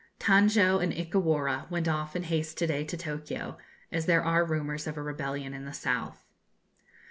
Tanjo and Ikawura went off in haste to day to Tokio, as there are rumours of a rebellion in the south.